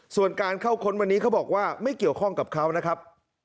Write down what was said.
ส่วนการเข้าค้นวันนี้เขาบอกว่าไม่เกี่ยวข้องกับเขานะครับ